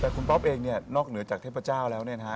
แต่คุณป๊อปเองเนี่ยนอกเหนือจากเทพเจ้าแล้วเนี่ยนะฮะ